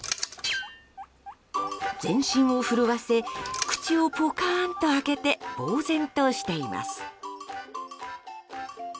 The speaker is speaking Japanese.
全身を震わせ口をポカーンと開けて呆然としています。